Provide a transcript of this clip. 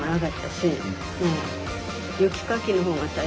雪かきの方が。